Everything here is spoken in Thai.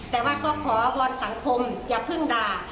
แต่ว่าก็ขอวอนสังคมอย่าเพิ่งด่า